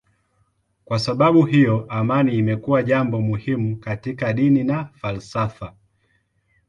Kwa sababu hiyo amani imekuwa jambo muhimu katika dini na falsafa.